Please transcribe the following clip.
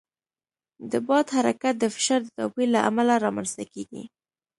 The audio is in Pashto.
د باد حرکت د فشار د توپیر له امله رامنځته کېږي.